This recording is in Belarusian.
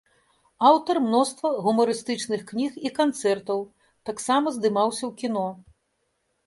Аўтар мноства гумарыстычных кніг і канцэртаў, таксама здымаўся ў кіно.